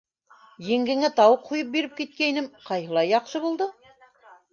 Еңгәңә тауыҡ һуйып биреп киткәйнем, ҡайһылай яҡшы булды!